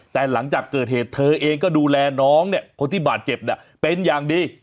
แต่หลังจากเกิดเหตุเธอเองก็ดูแลน้องเนี่ยคนที่บาดเจ็บเนี่ยเป็นอย่างดี